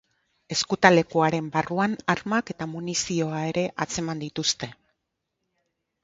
Ezkutalekuaren barruan armak eta munizioa ere atzeman dituzte.